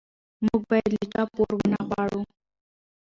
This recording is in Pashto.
موږ باید له چا پور ونه غواړو.